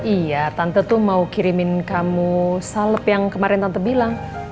iya tante tuh mau kirimin kamu salep yang kemarin tante bilang